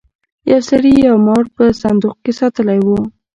یو سړي یو مار په صندوق کې ساتلی و.